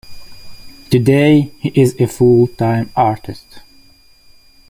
Today he is a full-time artist.